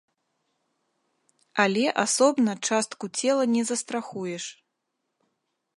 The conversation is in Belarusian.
Але асобна частку цела не застрахуеш.